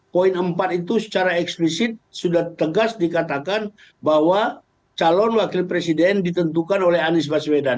poin empat itu secara eksplisit sudah tegas dikatakan bahwa calon wakil presiden ditentukan oleh anies baswedan